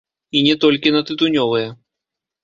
І не толькі на тытунёвыя.